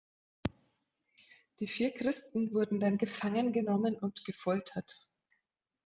Die vier Christen wurden dann gefangen genommen und gefoltert.